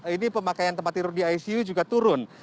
ini pemakaian tempat tidur di icu juga turun